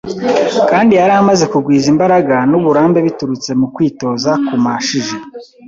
kandi yari amaze kugwiza imbaraga n’uburambe biturutse mu kwitoza kumashije.